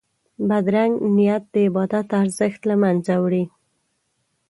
بدرنګه نیت د عبادت ارزښت له منځه وړي